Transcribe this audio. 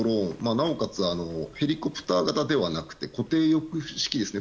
なおかつヘリコプター型ではなく固定翼式ですね。